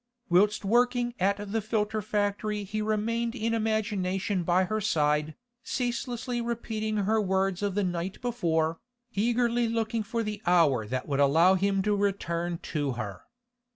Whilst working at the filter factory he remained in imagination by her side, ceaselessly repeating her words of the night before, eagerly looking for the hour that would allow him to return to her.